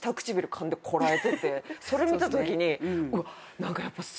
それ見たときに。